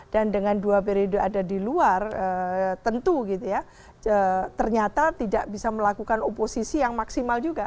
dan dengan dua periode ada di luar tentu gitu ya ternyata tidak bisa melakukan oposisi yang maksimal juga